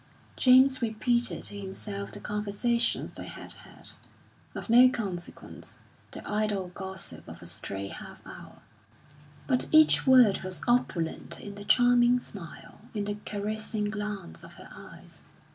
James repeated to himself the conversations they had had, of no consequence, the idle gossip of a stray half hour; but each word was opulent in the charming smile, in the caressing glance of her eyes.